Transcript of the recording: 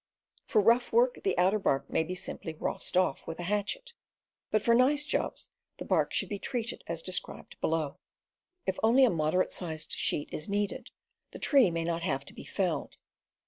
For rough work the outer bark may simply be "rossed" off with a hatchet, but for nice jobs the bark should be treated as described below. If only a moderate sized sheet is needed, the tree may not have to be felled.